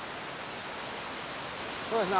そうですね